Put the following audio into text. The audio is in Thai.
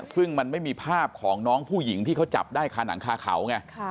ซึ่งมันไม่มีภาพของน้องผู้หญิงที่เขาจับได้คาหนังคาเขาไง